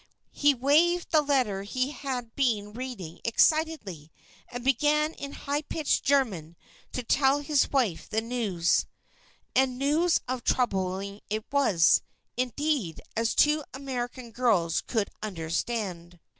He waved the letter he had been reading excitedly, and began in high pitched German to tell his wife the news and news of trouble it was, indeed, as the two American girls could understand.